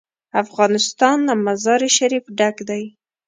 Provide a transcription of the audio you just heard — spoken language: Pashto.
افغانستان له مزارشریف ډک دی.